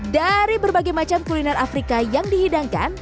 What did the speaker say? dari berbagai macam kuliner afrika yang dihidangkan